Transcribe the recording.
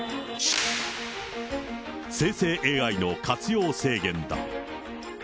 生成ＡＩの活用制限だ。